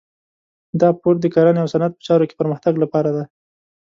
دا پور د کرنې او صنعت په چارو کې پرمختګ لپاره دی.